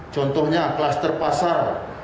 contohnya klaster pasar